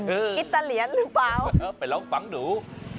อืมอิตาเลียนหรือเปล่าไปเล่าฟังหนู